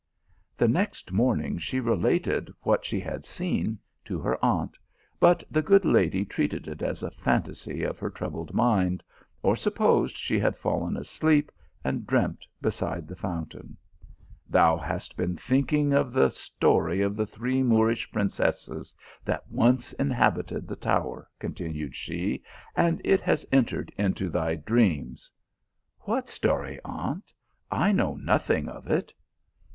The next morning, she related what she had seen to her aunt, hut the good lady treated it as a fantasy of her troubled mind, or supposed she had fallen asleep and dreamt beside the fountain. " Thou hast been think ing of the story of the three Moorish princesses that once inhabited the tower," continued she, " and it has entered into thy dreams." " What story, aunt ? I know nothing of it."